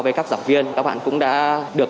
với các giảng viên các bạn cũng đã được